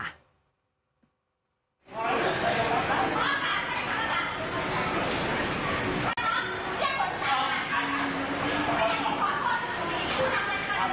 ด้วยความเคารพนะคุณผู้ชมในโลกโซเชียล